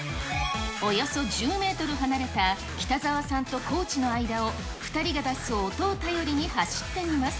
およそ１０メートル離れた北澤さんとコーチの間を、２人が出す音を頼りに走ってみます。